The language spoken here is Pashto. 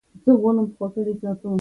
په یوه ډول یې د بشري حق مخنیوی کوي.